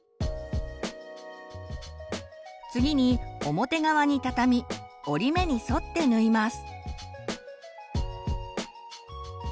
次に表側に畳み折り目に沿って縫います。